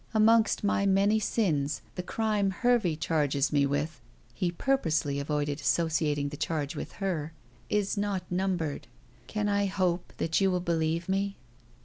Amongst my many sins the crime Hervey charges me with" he purposely avoided associating the charge with her "is not numbered. Can I hope that you will believe me?"